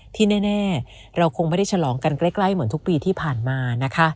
ที่แน่เราคงไม่ได้ฉลองกันใกล้เหมือนทุกปีที่ผ่านมานะคะ